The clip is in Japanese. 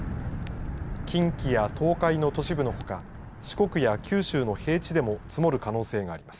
近畿や東海の都市部のほか四国や九州の平地でも積もる可能性があります。